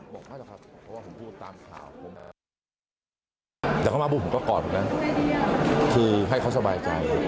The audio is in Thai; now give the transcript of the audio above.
เดี๋ยวเขามาพูดผมก็กอดเลยนะคือให้เขาสบายใจ